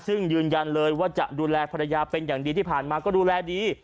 ซึ่งยืนยันเลยว่าจะดูแลภรรยาเป็นอย่างดีที่ผ่านมาก็ดูแลดี